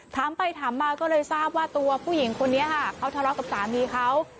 ถามไปถามมาก็เลยทราบว่าตัวผู้หญิงคนนี้ค่ะเขาทะเลาะกับสามีเขา